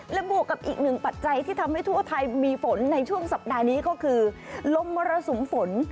และบวกกับอีกหนึ่งปัจจัยที่ทำให้ทั่วไทยมีฝนในช่วงสัปดาห์นี้ก็คือลมมรสุมฝน